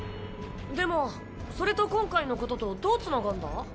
でもそれと今回のこととどうつながんだ？